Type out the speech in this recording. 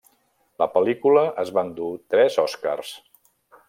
La pel·lícula es va endur tres Oscars.